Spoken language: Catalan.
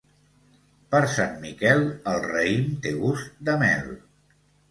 Per Sant Miquel el raïm té gust de mel.